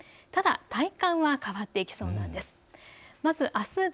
ただ体感は変わっていきそうなんです。